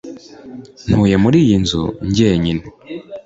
ntuye muri iyi nzu jyenyine